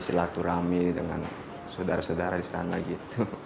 silaturahmi dengan saudara saudara di sana gitu